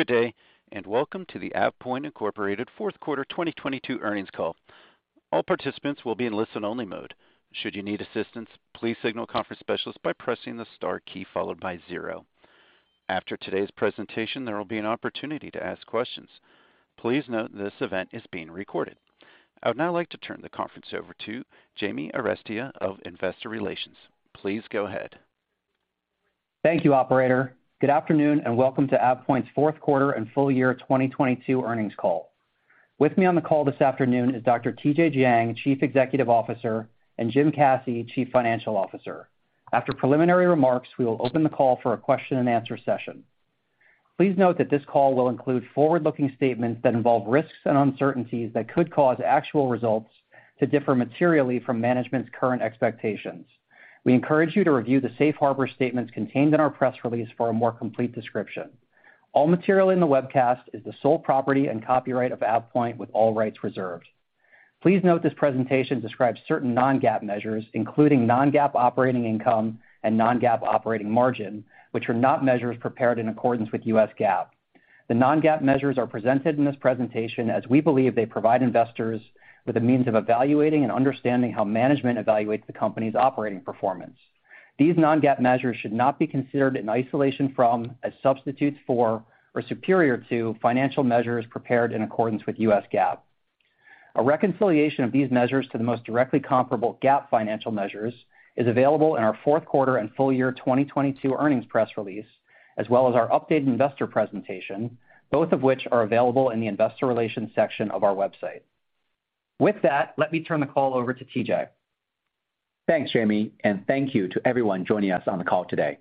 Good day, welcome to the AvePoint, Inc. fourth quarter 2022 earnings call. All participants will be in listen-only mode. Should you need assistance, please signal a conference specialist by pressing the star key followed by zero. After today's presentation, there will be an opportunity to ask questions. Please note this event is being recorded. I would now like to turn the conference over to James Arestia of Investor Relations. Please go ahead. Thank you, operator. Good afternoon, and welcome to AvePoint's fourth quarter and full year 2022 earnings call. With me on the call this afternoon is Dr. TJ Jiang, Chief Executive Officer, and Jim Caci, Chief Financial Officer. After preliminary remarks, we will open the call for a question-and-answer session. Please note that this call will include forward-looking statements that involve risks and uncertainties that could cause actual results to differ materially from management's current expectations. We encourage you to review the safe harbor statements contained in our press release for a more complete description. All material in the webcast is the sole property and copyright of AvePoint, with all rights reserved. Please note this presentation describes certain non-GAAP measures, including non-GAAP operating income and non-GAAP operating margin, which are not measures prepared in accordance with U.S. GAAP. The non-GAAP measures are presented in this presentation as we believe they provide investors with a means of evaluating and understanding how management evaluates the company's operating performance. These non-GAAP measures should not be considered in isolation from, as substitutes for, or superior to financial measures prepared in accordance with U.S. GAAP. A reconciliation of these measures to the most directly comparable GAAP financial measures is available in our fourth quarter and full year 2022 earnings press release, as well as our updated investor presentation, both of which are available in the investor relations section of our website. With that, let me turn the call over to TJ. Thanks, Jamie, and thank you to everyone joining us on the call today.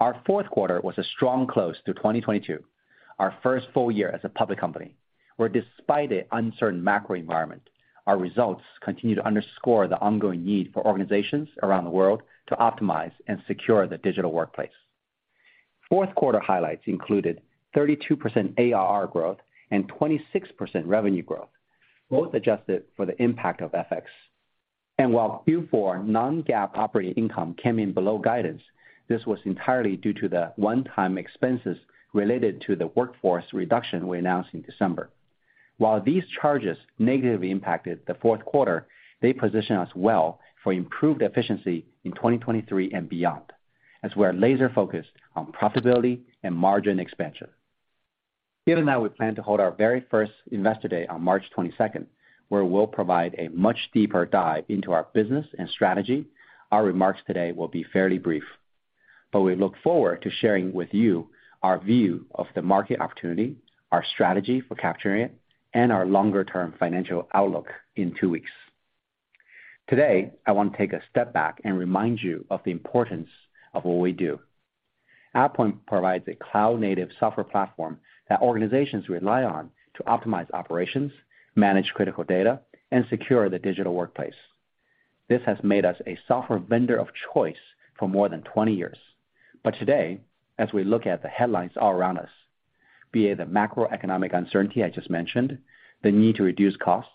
Our fourth quarter was a strong close to 2022, our first full year as a public company, where despite an uncertain macro environment, our results continue to underscore the ongoing need for organizations around the world to optimize and secure the digital workplace. Fourth quarter highlights included 32% ARR growth and 26% revenue growth, both adjusted for the impact of FX. While Q4 non-GAAP operating income came in below guidance, this was entirely due to the one-time expenses related to the workforce reduction we announced in December. While these charges negatively impacted the fourth quarter, they position us well for improved efficiency in 2023 and beyond, as we're laser-focused on profitability and margin expansion. Given that we plan to hold our very first Investor Day on March 22nd, where we'll provide a much deeper dive into our business and strategy, our remarks today will be fairly brief. We look forward to sharing with you our view of the market opportunity, our strategy for capturing it, and our longer-term financial outlook in two weeks. Today, I want to take a step back and remind you of the importance of what we do. AvePoint provides a cloud-native software platform that organizations rely on to optimize operations, manage critical data, and secure the digital workplace. This has made us a software vendor of choice for more than 20 years. Today, as we look at the headlines all around us, be it the macroeconomic uncertainty I just mentioned, the need to reduce costs,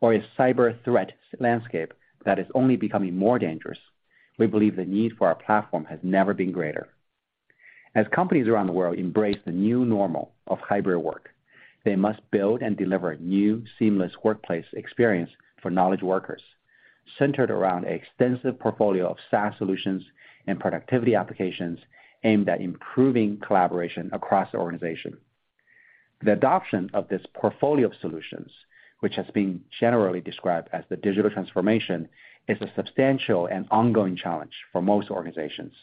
or a cyber threat landscape that is only becoming more dangerous, we believe the need for our platform has never been greater. As companies around the world embrace the new normal of hybrid work, they must build and deliver a new seamless workplace experience for knowledge workers, centered around an extensive portfolio of SaaS solutions and productivity applications aimed at improving collaboration across the organization. The adoption of this portfolio of solutions, which has been generally described as the digital transformation, is a substantial and ongoing challenge for most organizations.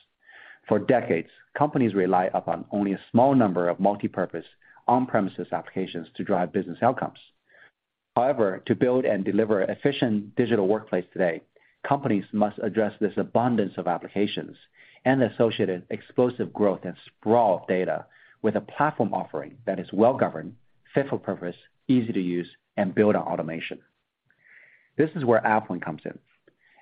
For decades, companies rely upon only a small number of multipurpose on-premises applications to drive business outcomes. However, to build and deliver efficient digital workplace today, companies must address this abundance of applications and associated explosive growth and sprawl of data with a platform offering that is well-governed, fit for purpose, easy to use, and build on automation. This is where AvePoint comes in.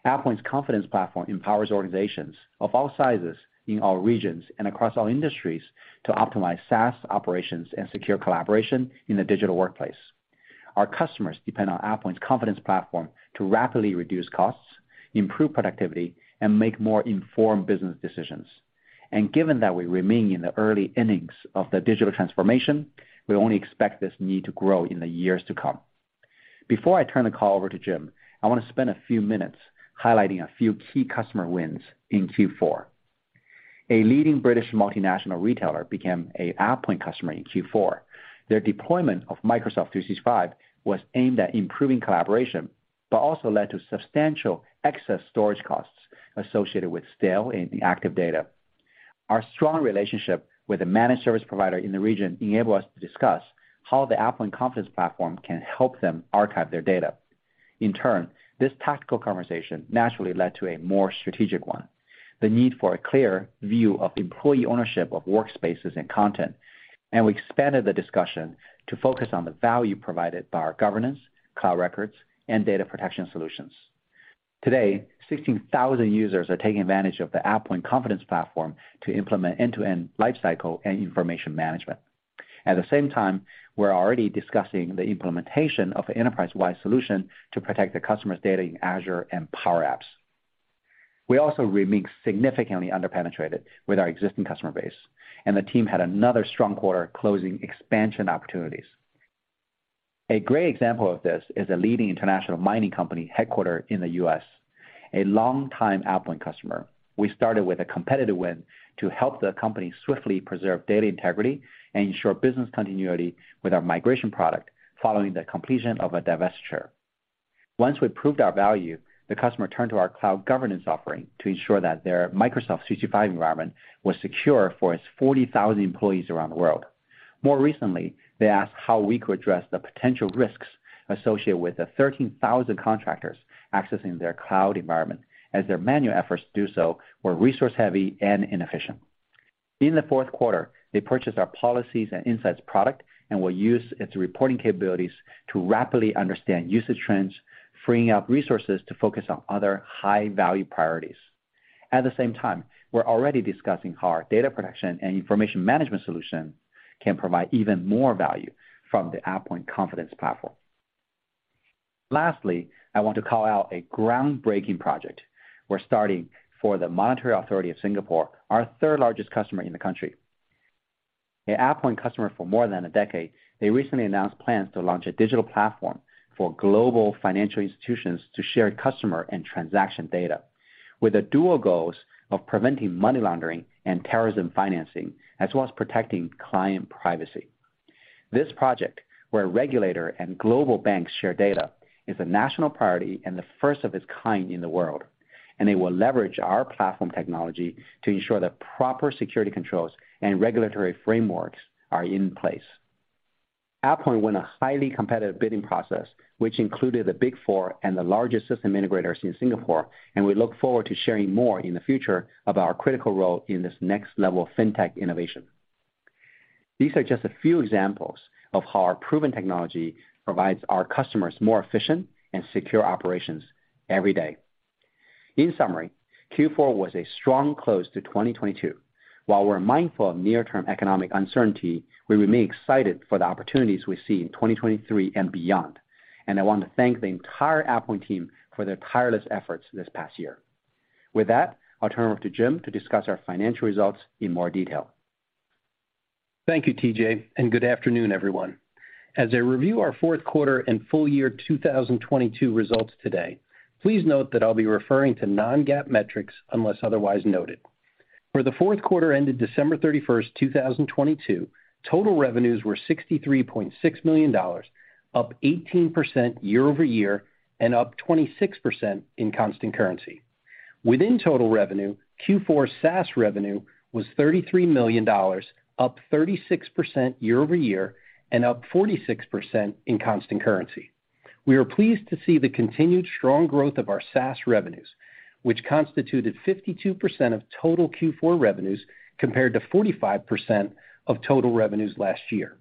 AvePoint's Confidence Platform empowers organizations of all sizes in all regions and across all industries to optimize SaaS operations and secure collaboration in the digital workplace. Our customers depend on AvePoint's Confidence Platform to rapidly reduce costs, improve productivity, and make more informed business decisions. Given that we remain in the early innings of the digital transformation, we only expect this need to grow in the years to come. Before I turn the call over to Jim, I want to spend a few minutes highlighting a few key customer wins in Q4. A leading British multinational retailer became a AvePoint customer in Q4. Their deployment of Microsoft 365 was aimed at improving collaboration, but also led to substantial excess storage costs associated with stale and inactive data. Our strong relationship with the managed service provider in the region enabled us to discuss how the AvePoint Confidence Platform can help them archive their data. In turn, this tactical conversation naturally led to a more strategic one, the need for a clear view of employee ownership of workspaces and content. We expanded the discussion to focus on the value provided by our Cloud Governance, Cloud Records, and data protection solutions. Today, 16,000 users are taking advantage of the AvePoint Confidence Platform to implement end-to-end lifecycle and information management. At the same time, we're already discussing the implementation of enterprise-wide solution to protect the customer's data in Azure and Power Apps. We also remain significantly under-penetrated with our existing customer base. The team had another strong quarter closing expansion opportunities. A great example of this is a leading international mining company headquartered in the U.S., a longtime AvePoint customer. We started with a competitive win to help the company swiftly preserve data integrity and ensure business continuity with our migration product following the completion of a divestiture. Once we proved our value, the customer turned to our Cloud Governance offering to ensure that their Microsoft GCC High environment was secure for its 40,000 employees around the world. More recently, they asked how we could address the potential risks associated with the 13,000 contractors accessing their cloud environment, as their manual efforts to do so were resource-heavy and inefficient. In the fourth quarter, they purchased our Policies and Insights product and will use its reporting capabilities to rapidly understand usage trends, freeing up resources to focus on other high-value priorities. At the same time, we're already discussing how our data protection and information management solution can provide even more value from the AvePoint Confidence Platform. Lastly, I want to call out a groundbreaking project we're starting for the Monetary Authority of Singapore, our third-largest customer in the country. An AvePoint customer for more than a decade, they recently announced plans to launch a digital platform for global financial institutions to share customer and transaction data, with the dual goals of preventing money laundering and terrorism financing, as well as protecting client privacy. This project, where regulator and global banks share data, is a national priority and the first of its kind in the world. They will leverage our platform technology to ensure that proper security controls and regulatory frameworks are in place. AvePoint won a highly competitive bidding process, which included the Big Four and the largest system integrators in Singapore. We look forward to sharing more in the future about our critical role in this next level of FinTech innovation. These are just a few examples of how our proven technology provides our customers more efficient and secure operations every day. In summary, Q4 was a strong close to 2022. While we're mindful of near-term economic uncertainty, we remain excited for the opportunities we see in 2023 and beyond. I want to thank the entire AvePoint team for their tireless efforts this past year. With that, I'll turn it over to Jim to discuss our financial results in more detail. Thank you, TJ. Good afternoon, everyone. As I review our fourth quarter and full year 2022 results today, please note that I'll be referring to non-GAAP metrics unless otherwise noted. For the fourth quarter ended December 31st, 2022, total revenues were $63.6 million, up 18% year-over-year and up 26% in constant currency. Within total revenue, Q4 SaaS revenue was $33 million, up 36% year-over-year and up 46% in constant currency. We are pleased to see the continued strong growth of our SaaS revenues, which constituted 52% of total Q4 revenues compared to 45% of total revenues last year.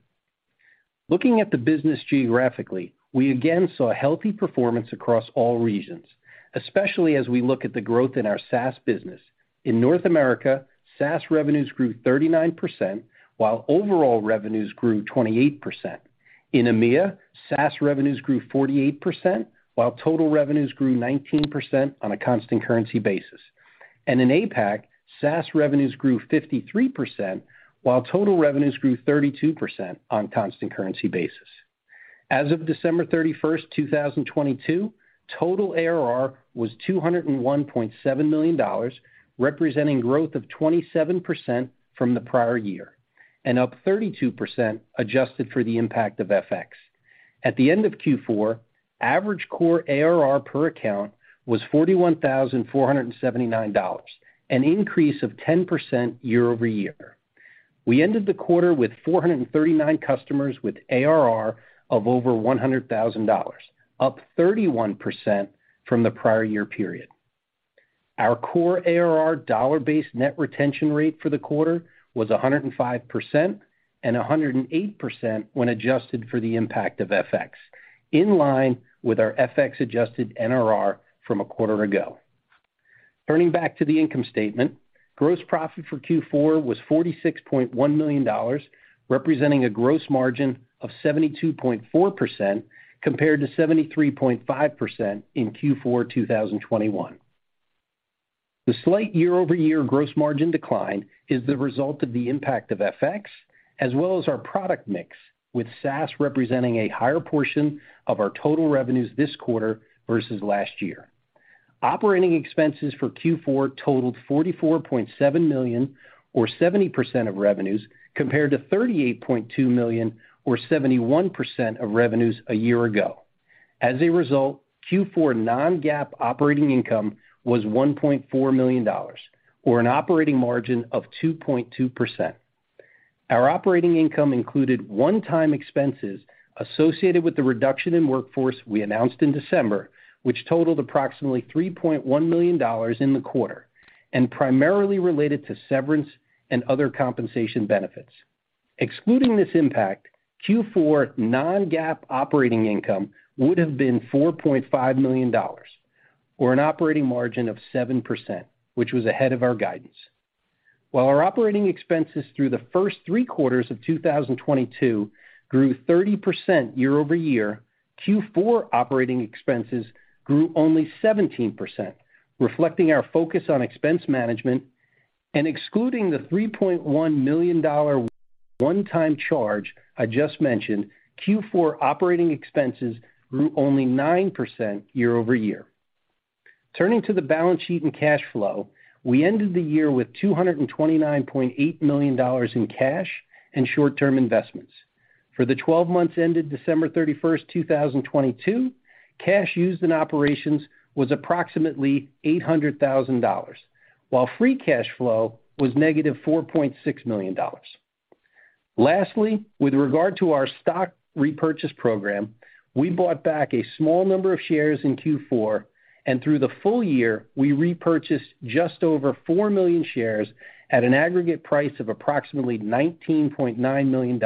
Looking at the business geographically, we again saw a healthy performance across all regions, especially as we look at the growth in our SaaS business. In North America, SaaS revenues grew 39%, while overall revenues grew 28%. In EMEA, SaaS revenues grew 48%, while total revenues grew 19% on a constant currency basis. In APAC, SaaS revenues grew 53%, while total revenues grew 32% on constant currency basis. As of December 31, 2022, total ARR was $201.7 million, representing growth of 27% from the prior year and up 32% adjusted for the impact of FX. At the end of Q4, average core ARR per account was $41,479, an increase of 10% year-over-year. We ended the quarter with 439 customers with ARR of over $100,000, up 31% from the prior year period. Our core ARR dollar-based net retention rate for the quarter was 105% and 108% when adjusted for the impact of FX, in line with our FX-adjusted NRR from a quarter ago. Turning back to the income statement, gross profit for Q4 was $46.1 million, representing a gross margin of 72.4% compared to 73.5% in Q4 2021. The slight year-over-year gross margin decline is the result of the impact of FX as well as our product mix, with SaaS representing a higher portion of our total revenues this quarter versus last year. Operating expenses for Q4 totaled $44.7 million or 70% of revenues, compared to $38.2 million or 71% of revenues a year ago. As a result, Q4 non-GAAP operating income was $1.4 million or an operating margin of 2.2%. Our operating income included one-time expenses associated with the reduction in workforce we announced in December, which totaled approximately $3.1 million in the quarter and primarily related to severance and other compensation benefits. Excluding this impact, Q4 non-GAAP operating income would have been $4.5 million or an operating margin of 7%, which was ahead of our guidance. While our operating expenses through the first three quarters of 2022 grew 30% year-over-year, Q4 operating expenses grew only 17%, reflecting our focus on expense management and excluding the $3.1 million one-time charge I just mentioned, Q4 operating expenses grew only 9% year-over-year. Turning to the balance sheet and cash flow, we ended the year with $229.8 million in cash and short-term investments. For the 12 months ended December 31, 2022, cash used in operations was approximately $800,000, while free cash flow was negative $4.6 million. Lastly, with regard to our stock repurchase program, we bought back a small number of shares in Q4. Through the full year, we repurchased just over 4 million shares at an aggregate price of approximately $19.9 million.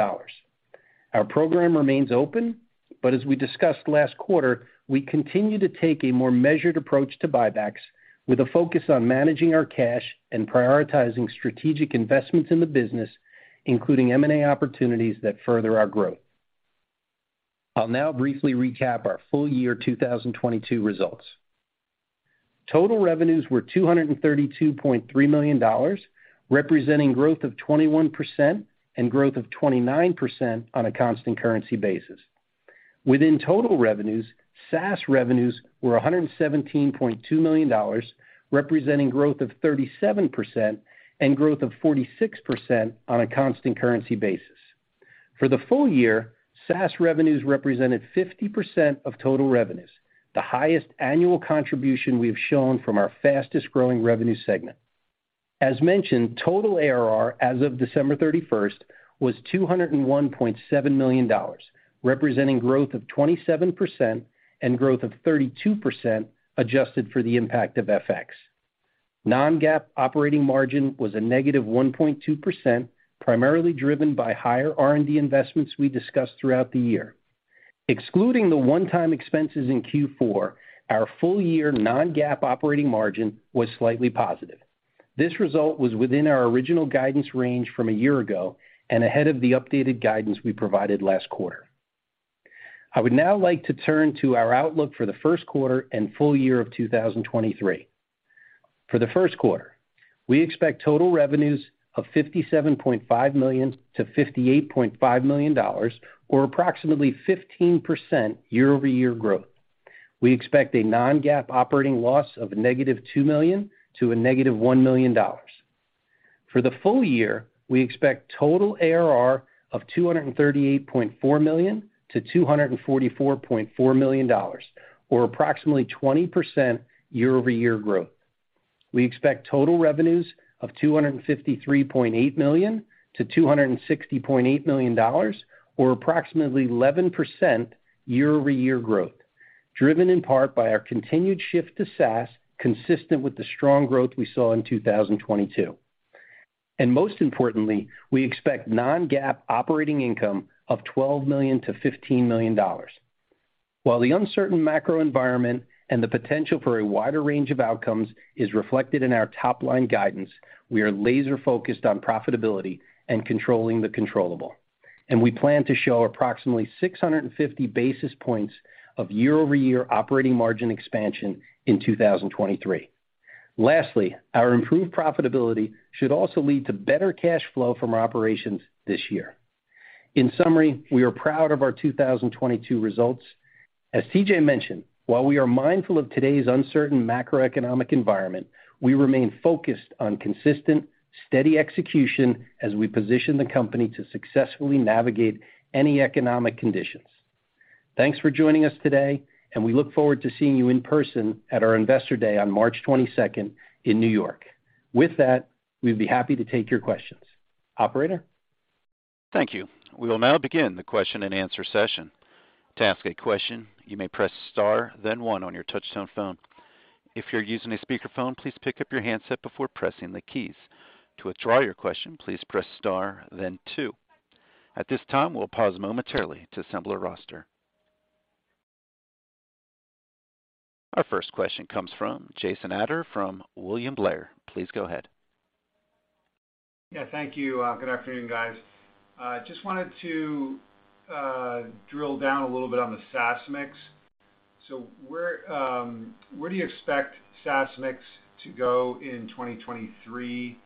Our program remains open. As we discussed last quarter, we continue to take a more measured approach to buybacks with a focus on managing our cash and prioritizing strategic investments in the business, including M&A opportunities that further our growth. I'll now briefly recap our full year 2022 results. Total revenues were $232.3 million, representing growth of 21% and growth of 29% on a constant currency basis. Within total revenues, SaaS revenues were $117.2 million, representing growth of 37% and growth of 46% on a constant currency basis. For the full year, SaaS revenues represented 50% of total revenues, the highest annual contribution we have shown from our fastest-growing revenue segment. As mentioned, total ARR as of December 31st was $201.7 million, representing growth of 27% and growth of 32% adjusted for the impact of FX. Non-GAAP operating margin was a negative 1.2%, primarily driven by higher R&D investments we discussed throughout the year. Excluding the one-time expenses in Q4, our full-year non-GAAP operating margin was slightly positive. This result was within our original guidance range from a year ago and ahead of the updated guidance we provided last quarter. I would now like to turn to our outlook for the first quarter and full year of 2023. For the first quarter, we expect total revenues of $57.5 million-$58.5 million or approximately 15% year-over-year growth. We expect a non-GAAP operating loss of negative $2 million to negative $1 million. For the full year, we expect total ARR of $238.4 million-$244.4 million or approximately 20% year-over-year growth. We expect total revenues of $253.8 million-$260.8 million or approximately 11% year-over-year growth, driven in part by our continued shift to SaaS consistent with the strong growth we saw in 2022. Most importantly, we expect non-GAAP operating income of $12 million-$15 million. While the uncertain macro environment and the potential for a wider range of outcomes is reflected in our top-line guidance, we are laser-focused on profitability and controlling the controllable, and we plan to show approximately 650 basis points of year-over-year operating margin expansion in 2023. Lastly, our improved profitability should also lead to better cash flow from operations this year. In summary, we are proud of our 2022 results. As TJ mentioned, while we are mindful of today's uncertain macroeconomic environment, we remain focused on consistent, steady execution as we position the company to successfully navigate any economic conditions. Thanks for joining us today, and we look forward to seeing you in person at our Investor Day on March 22nd in New York. With that, we'd be happy to take your questions. Operator? Thank you. We will now begin the question-and-answer session. To ask a question, you may press star then one on your touchtone phone. If you're using a speakerphone, please pick up your handset before pressing the keys. To withdraw your question, please press star then two. At this time, we'll pause momentarily to assemble a roster. Our first question comes from Jason Ader from William Blair. Please go ahead. Yeah, thank you. Good afternoon, guys. Just wanted to drill down a little bit on the SaaS mix. Where do you expect SaaS mix to go in 2023?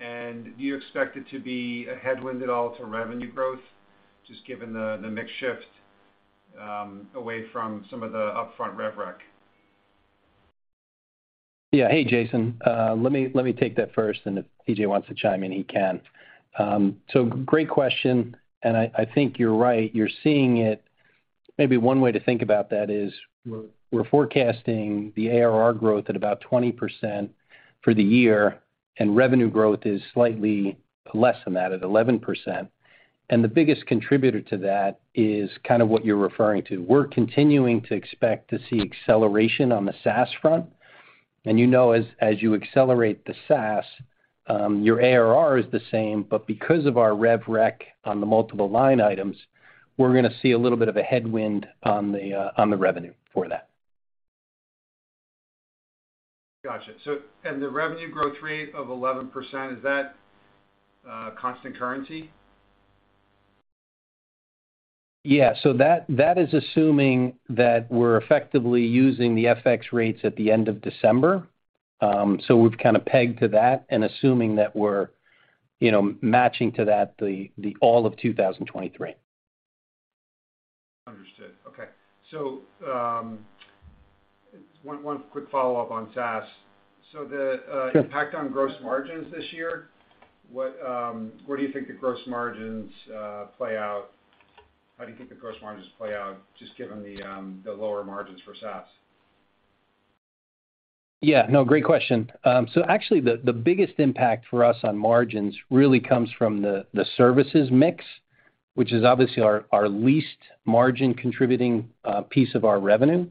Do you expect it to be a headwind at all to revenue growth, just given the mix shift, away from some of the upfront rev rec? Hey, Jason. Let me take that first, and if TJ wants to chime in, he can. Great question, and I think you're right. You're seeing it. Maybe one way to think about that is we're forecasting the ARR growth at about 20% for the year, and revenue growth is slightly less than that at 11%. The biggest contributor to that is kind of what you're referring to. We're continuing to expect to see acceleration on the SaaS front. You know, as you accelerate the SaaS, your ARR is the same, but because of our rev rec on the multiple line items, we're gonna see a little bit of a headwind on the revenue for that. Gotcha. The revenue growth rate of 11%, is that constant currency? Yeah. So that is assuming that we're effectively using the FX rates at the end of December. We've kind of pegged to that and assuming that we're, you know, matching to that the all of 2023. Understood. Okay. One quick follow-up on SaaS. Sure. Impact on gross margins this year, what, where do you think the gross margins play out? How do you think the gross margins play out just given the lower margins for SaaS? Yeah. No, great question. Actually the biggest impact for us on margins really comes from the services mix, which is obviously our least margin-contributing piece of our revenue.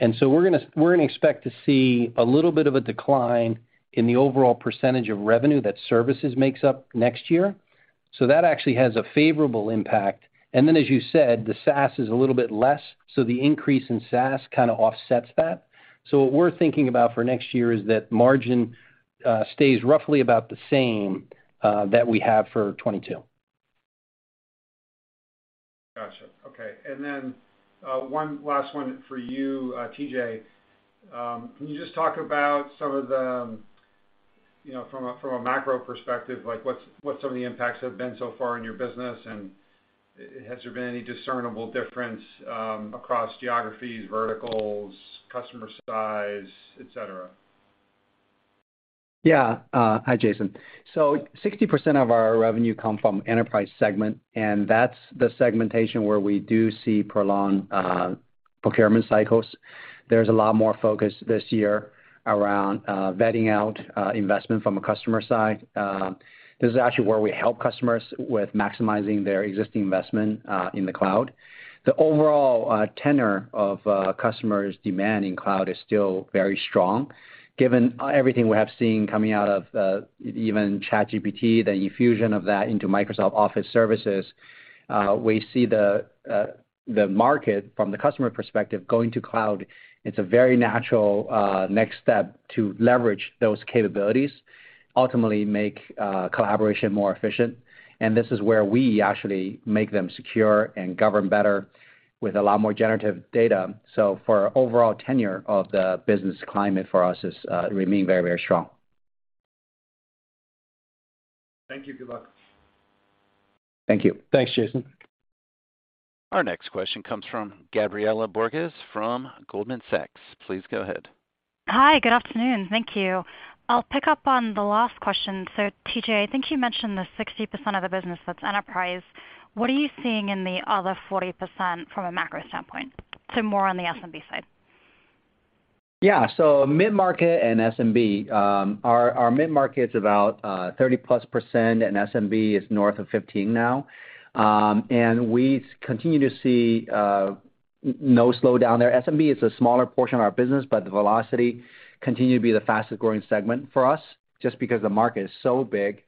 We're gonna expect to see a little bit of a decline in the overall percentage of revenue that services makes up next year. That actually has a favorable impact. As you said, the SaaS is a little bit less, the increase in SaaS kinda offsets that. What we're thinking about for next year is that margin stays roughly about the same that we have for 2022. Gotcha. Okay. One last one for you, TJ. Can you just talk about some of the, you know, from a macro perspective, like what's, what some of the impacts have been so far in your business, and has there been any discernible difference across geographies, verticals, customer size, et cetera? Yeah. Hi, Jason. 60% of our revenue come from enterprise segment, and that's the segmentation where we do see prolonged procurement cycles. There's a lot more focus this year around vetting out investment from a customer side. This is actually where we help customers with maximizing their existing investment in the cloud. The overall tenor of customers demanding cloud is still very strong. Given everything we have seen coming out of even ChatGPT, the infusion of that into Microsoft Office services, we see the market from the customer perspective going to cloud. It's a very natural next step to leverage those capabilities, ultimately make collaboration more efficient. This is where we actually make them secure and govern better with a lot more generative data. For overall tenure of the business climate for us is, remain very, very strong. Thank you. Good luck. Thank you. Thanks, Jason. Our next question comes from Gabriela Borges from Goldman Sachs. Please go ahead. Hi. Good afternoon. Thank you. I'll pick up on the last question. TJ, I think you mentioned the 60% of the business that's enterprise. What are you seeing in the other 40% from a macro standpoint, so more on the S&P side? Yeah. Mid-market and SMB, our mid-market's about 30%+ and SMB is north of 15 now. We continue to see no slowdown there. SMB is a smaller portion of our business, but the velocity continue to be the fastest-growing segment for us just because the market is so big.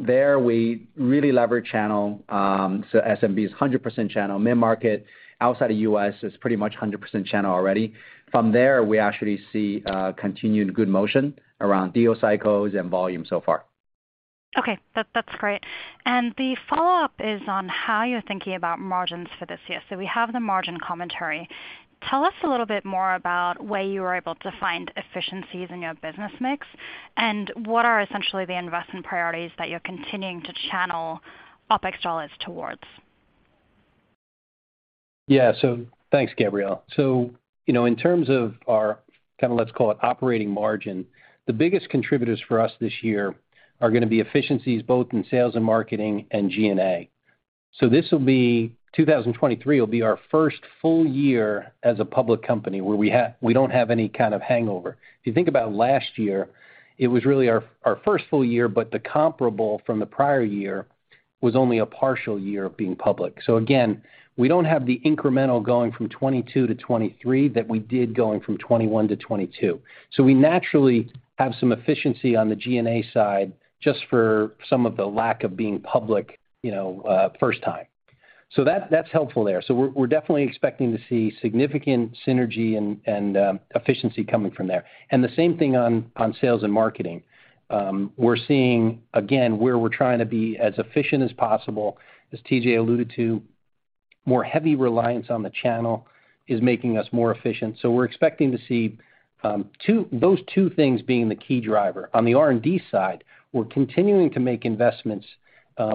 There we really leverage channel, SMB is 100% channel. Mid-market outside of U.S. is pretty much 100% channel already. From there, we actually see continued good motion around deal cycles and volume so far. Okay. That's great. The follow-up is on how you're thinking about margins for this year. We have the margin commentary. Tell us a little bit more about where you were able to find efficiencies in your business mix, and what are essentially the investment priorities that you're continuing to channel OpEx dollars towards? Thanks, Gabriela. You know, in terms of our kind of let's call it operating margin, the biggest contributors for us this year are gonna be efficiencies both in sales and marketing and G&A. This will be, 2023 will be our first full year as a public company where we don't have any kind of hangover. If you think about last year, it was really our first full year, but the comparable from the prior year was only a partial year of being public. Again, we don't have the incremental going from 2022 to 2023 that we did going from 2021 to 2022. We naturally have some efficiency on the G&A side just for some of the lack of being public, you know, first time. That's helpful there. We're definitely expecting to see significant synergy and efficiency coming from there. The same thing on sales and marketing. We're seeing again, where we're trying to be as efficient as possible. As TJ alluded to, more heavy reliance on the channel is making us more efficient. We're expecting to see those two things being the key driver. On the R&D side, we're continuing to make investments,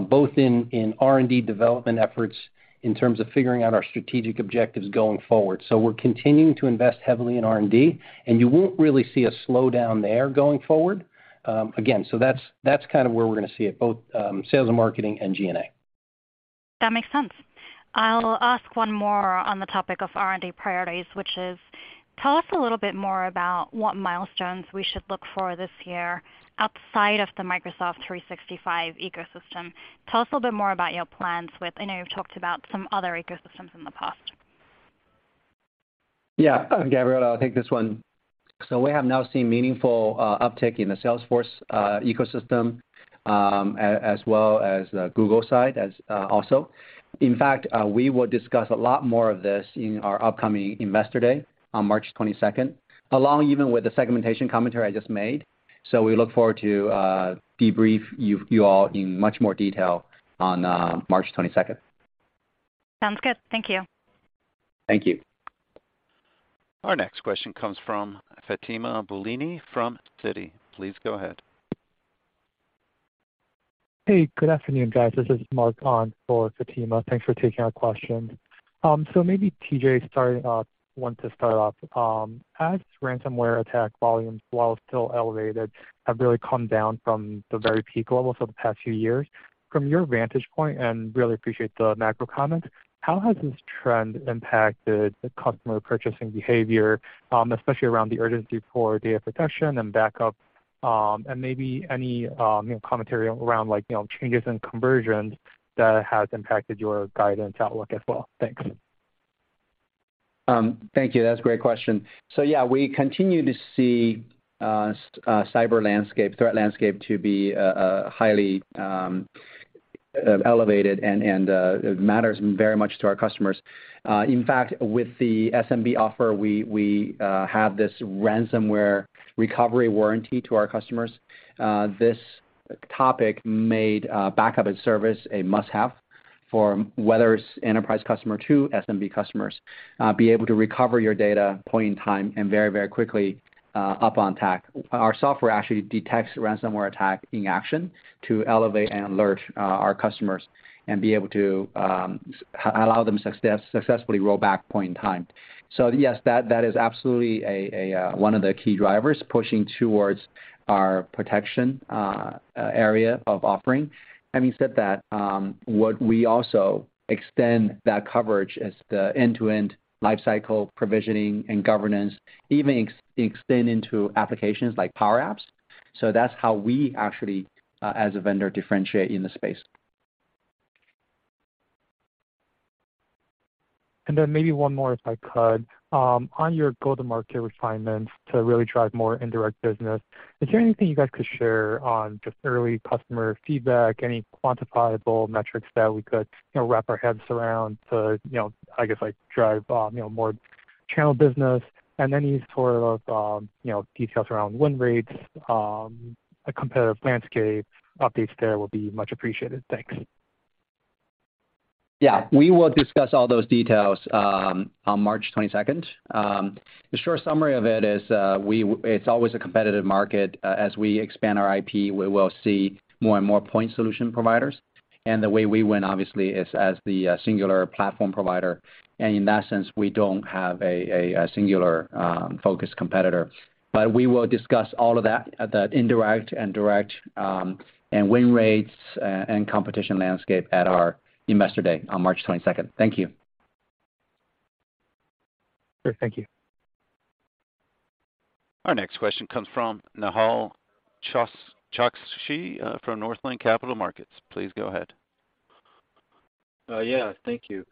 both in R&D development efforts in terms of figuring out our strategic objectives going forward. We're continuing to invest heavily in R&D, and you won't really see a slowdown there going forward. Again, that's kind of where we're gonna see it, both sales and marketing and G&A. That makes sense. I'll ask one more on the topic of R&D priorities, which is tell us a little bit more about what milestones we should look for this year outside of the Microsoft 365 ecosystem? Tell us a little bit more about your plans, I know you've talked about some other ecosystems in the past? Yeah. Gabriela, I'll take this one. So we have now seen meaningful uptick in the Salesforce ecosystem, as well as the Google side as also. In fact, we will discuss a lot more of this in our upcoming Investor Day on March 22nd, along even with the segmentation commentary I just made. We look forward to debrief you all in much more detail on March 22nd. Sounds good. Thank you. Thank you. Our next question comes from Fatima Boolani from Citi. Please go ahead. Hey, good afternoon, guys. This is Mark on for Fatima. Thanks for taking our questions. Maybe TJ, want to start off. As ransomware attack volumes, while still elevated, have really come down from the very peak levels of the past few years, from your vantage point, and really appreciate the macro comments, how has this trend impacted the customer purchasing behavior, especially around the urgency for data protection and backup, and maybe any, you know, commentary around, like, you know, changes in conversions that has impacted your guidance outlook as well? Thanks. Thank you. That's a great question. Yeah, we continue to see cyber landscape, threat landscape to be highly elevated and it matters very much to our customers. In fact, with the SMB offer, we have this Ransomware Recovery Warranty to our customers. This topic made backup as service a must-have for whether it's enterprise customer to SMB customers, be able to recover your data point in time and very, very quickly up on tack. Our software actually detects ransomware attack in action to elevate and alert our customers and be able to allow them successfully roll back point in time. Yes, that is absolutely a one of the key drivers pushing towards our Protection area of offering. Having said that, what we also extend that coverage is the end-to-end lifecycle provisioning and governance, even extend into applications like Power Apps. That's how we actually, as a vendor differentiate in the space. Then maybe one more, if I could. On your go-to-market refinements to really drive more indirect business, is there anything you guys could share on just early customer feedback, any quantifiable metrics that we could, you know, wrap our heads around to, you know, I guess, like, drive, you know, more channel business? Any sort of, you know, details around win rates, the competitive landscape updates there will be much appreciated. Thanks. We will discuss all those details on March twenty-second. The short summary of it is it's always a competitive market. As we expand our IP, we will see more and more point solution providers. The way we win obviously is as the singular platform provider, and in that sense, we don't have a singular focused competitor. We will discuss all of that, the indirect and direct, and win rates, and competition landscape at our Investor Day on March twenty-second. Thank you. Sure. Thank you. Our next question comes from Nehal Chokshi from Northland Capital Markets. Please go ahead. Yeah. Thank you.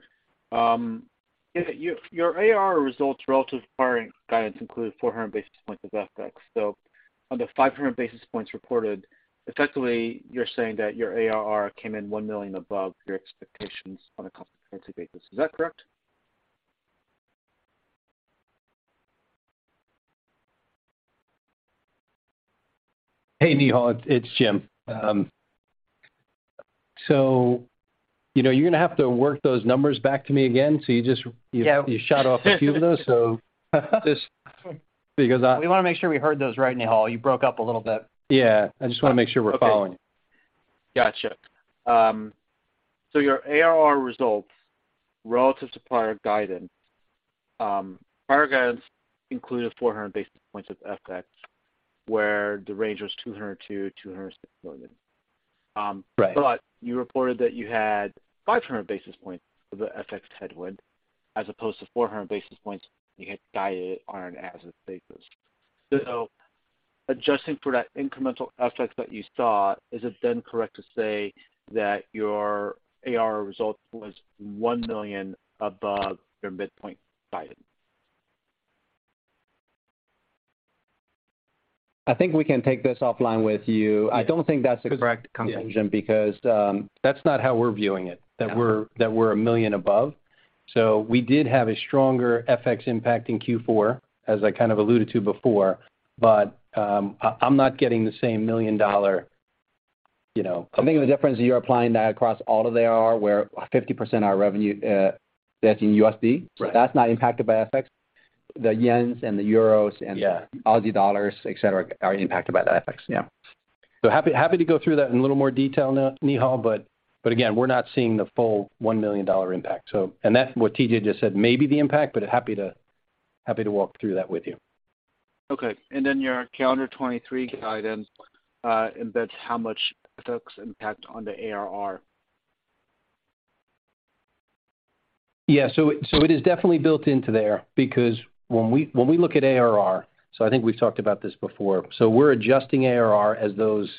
Yeah, your ARR results relative prior guidance include 400 basis points of FX. On the 500 basis points reported, effectively, you're saying that your ARR came in $1 million above your expectations on a constant currency basis. Is that correct? Hey, Nehal. It's Jim. you know, you're gonna have to work those numbers back to me again. You just- Yeah. You shot off a few of those, so just because. We wanna make sure we heard those right, Nihal. You broke up a little bit. Yeah. I just wanna make sure we're following. Okay. Gotcha. Your ARR results relative to prior guidance, prior guidance included 400 basis points of FX, where the range was $200 million-$260 million. Right. You reported that you had 500 basis points of the FX headwind as opposed to 400 basis points you had guided on an as-is basis. Adjusting for that incremental FX that you saw, is it then correct to say that your ARR result was $1 million above your midpoint guidance? I think we can take this offline with you. Yeah. I don't think that's the correct conclusion because. That's not how we're viewing it. Yeah That we're $1 million above. We did have a stronger FX impact in Q4, as I kind of alluded to before, but I'm not getting the same million-dollar, you know. I think the difference is you're applying that across all of the ARR, where 50% of our revenue, that's in USD. Right. That's not impacted by FX. The yens and the euros and- Yeah. Aussie dollars, et cetera, are impacted by the FX. Yeah. Happy to go through that in a little more detail now, Nehal. Again, we're not seeing the full $1 million impact. That's what TJ just said, maybe the impact, but happy to walk through that with you. Okay. Then your calendar 2023 guidance, embeds how much FX impact on the ARR? Yeah, it is definitely built into there because when we look at ARR, I think we've talked about this before. We're adjusting ARR as those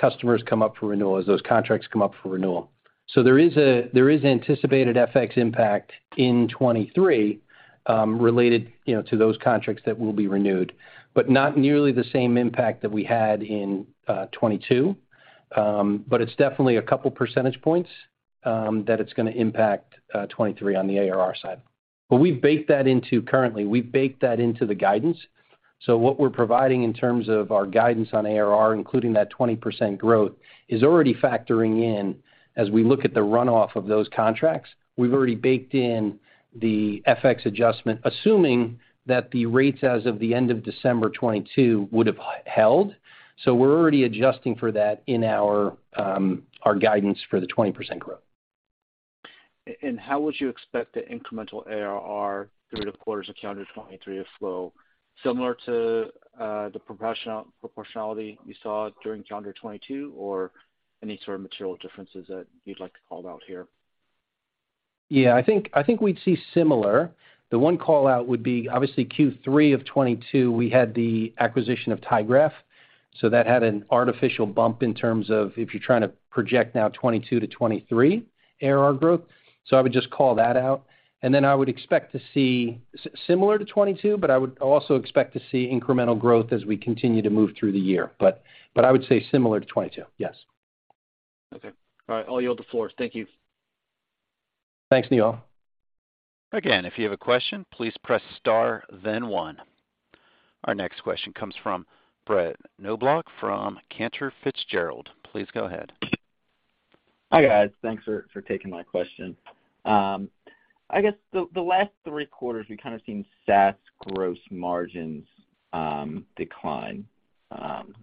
customers come up for renewal, as those contracts come up for renewal. There is anticipated FX impact in 2023, related, you know, to those contracts that will be renewed. Not nearly the same impact that we had in 2022. It's definitely a couple percentage points that it's gonna impact 2023 on the ARR side. We've baked that into currently. We've baked that into the guidance. What we're providing in terms of our guidance on ARR, including that 20% growth, is already factoring in as we look at the runoff of those contracts. We've already baked in the FX adjustment, assuming that the rates as of the end of December 2022 would have held. We're already adjusting for that in our guidance for the 20% growth. How would you expect the incremental ARR through the quarters of calendar 2023 to flow? Similar to the proportionality we saw during calendar 2022, or any sort of material differences that you'd like to call out here? Yeah. I think we'd see similar. The one call-out would be, obviously, Q3 of 2022, we had the acquisition of tyGraph, that had an artificial bump in terms of if you're trying to project now 2022 to 2023 ARR growth. I would just call that out, and then I would expect to see similar to 2022, but I would also expect to see incremental growth as we continue to move through the year. I would say similar to 2022, yes. Okay. All right. I'll yield the floor. Thank you. Thanks, Nehal. If you have a question, please press star then one. Our next question comes from Brett Knoblauch from Cantor Fitzgerald. Please go ahead. Hi, guys. Thanks for taking my question. I guess the last three quarters, we've kinda seen SaaS gross margins decline.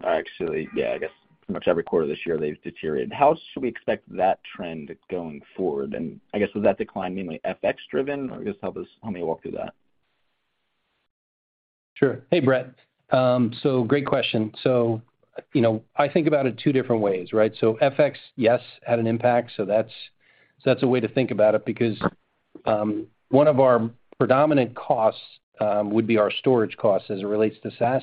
Actually, yeah, I guess pretty much every quarter this year they've deteriorated. How should we expect that trend going forward? I guess, was that decline mainly FX driven? I guess, help me walk through that. Sure. Hey, Brett. Great question. You know, I think about it two different ways, right? FX, yes, had an impact, that's a way to think about it. Because, one of our predominant costs, would be our storage costs as it relates to SaaS,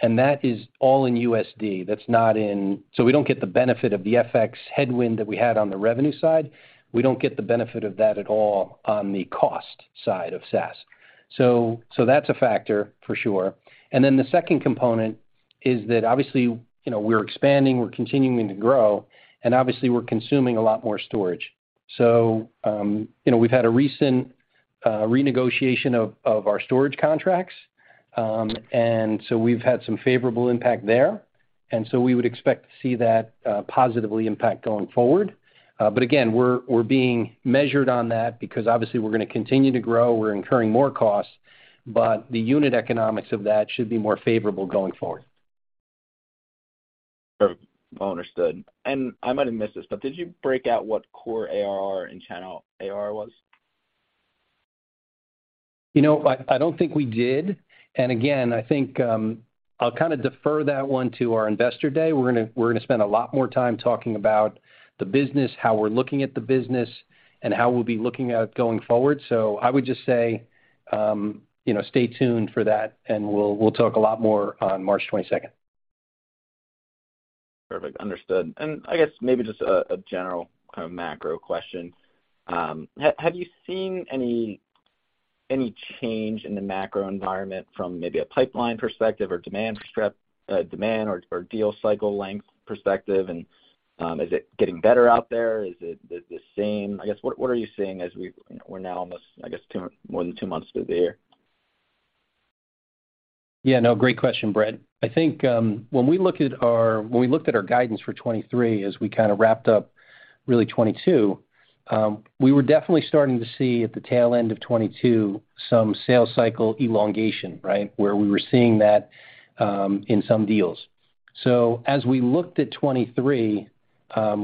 and that is all in USD. That's not in. We don't get the benefit of the FX headwind that we had on the revenue side. We don't get the benefit of that at all on the cost side of SaaS. That's a factor for sure. The second component is that obviously, you know, we're expanding, we're continuing to grow, and obviously we're consuming a lot more storage. You know, we've had a recent renegotiation of our storage contracts. We've had some favorable impact there. We would expect to see that positively impact going forward. We're, we're being measured on that because obviously we're gonna continue to grow, we're incurring more costs, but the unit economics of that should be more favorable going forward. Sure. Well understood. I might have missed this, but did you break out what core ARR and channel ARR was? You know, I don't think we did. Again, I think, I'll kind of defer that one to our Investor Day. We're going to spend a lot more time talking about the business, how we're looking at the business, and how we'll be looking at it going forward. I would just say, you know, stay tuned for that, and we'll talk a lot more on March 22nd. Perfect. Understood. I guess maybe just a general kind of macro question. Have you seen any change in the macro environment from maybe a pipeline perspective or demand or deal cycle length perspective? Is it getting better out there? Is it the same? I guess, what are you seeing as we, you know, we're now almost, I guess, more than two months through the year? Great question, Brett. I think, when we looked at our guidance for 2023 as we kinda wrapped up really 2022, we were definitely starting to see at the tail end of 2022 some sales cycle elongation, right? We were seeing that in some deals. As we looked at 2023,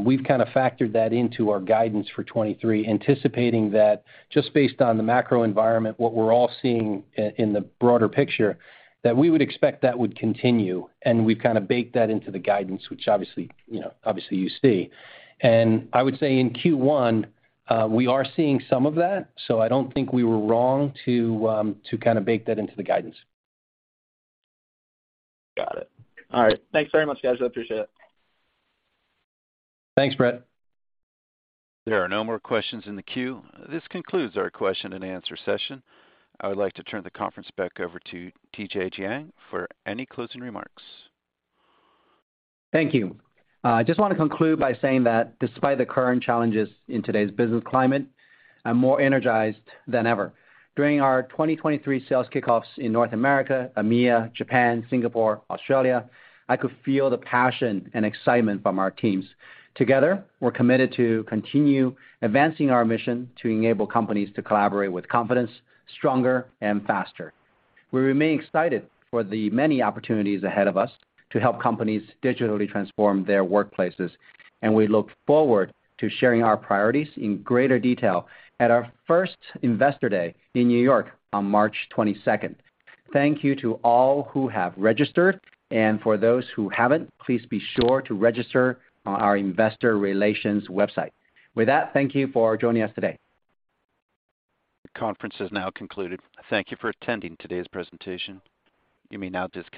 we've kinda factored that into our guidance for 2023, anticipating that just based on the macro environment, what we're all seeing in the broader picture, that we would expect that would continue, we've kinda baked that into the guidance, which obviously, you know, obviously you see. I would say in Q1, we are seeing some of that, I don't think we were wrong to kinda bake that into the guidance. Got it. All right. Thanks very much, guys. I appreciate it. Thanks, Brett. There are no more questions in the queue. This concludes our question and answer session. I would like to turn the conference back over to TJ Jiang for any closing remarks. Thank you. I just want to conclude by saying that despite the current challenges in today's business climate, I'm more energized than ever. During our 2023 sales kickoffs in North America, EMEA, Japan, Singapore, Australia, I could feel the passion and excitement from our teams. Together, we're committed to continue advancing our mission to enable companies to collaborate with confidence stronger and faster. We remain excited for the many opportunities ahead of us to help companies digitally transform their workplaces, and we look forward to sharing our priorities in greater detail at our first Investor Day in New York on March 22nd. Thank you to all who have registered, and for those who haven't, please be sure to register on our investor relations website. With that, thank you for joining us today. The conference has now concluded. Thank you for attending today's presentation. You may now.